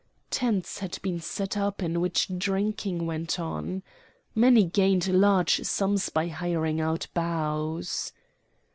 Tents had been set up in which drinking went on. Many gained large sums by hiring out bows.